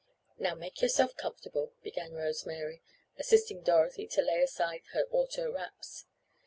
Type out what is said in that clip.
"Now make yourself comfortable," began Rose Mary, assisting Dorothy to lay aside her auto wraps.